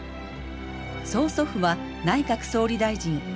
曽祖父は内閣総理大臣犬養毅。